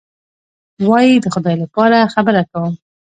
وایي: د خدای لپاره خبره کوم.